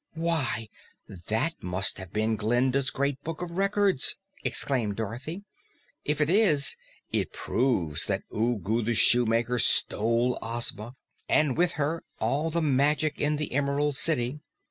"Why, that must have been Glinda's Great Book of Records!" exclaimed Dorothy. "If it is, it proves that Ugu the Shoemaker stole Ozma, and with her all the magic in the Emerald City."